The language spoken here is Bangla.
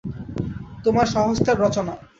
তোমার স্বহস্তের রচনা!